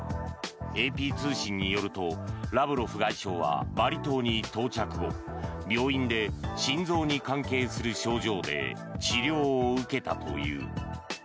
ＡＰ通信によるとラブロフ外相はバリ島に到着後病院で心臓に関係する症状で治療を受けたという。